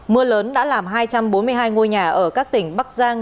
mưa lớn đã làm hai trăm bốn mươi hai ngôi nhà ở các tỉnh bắc giang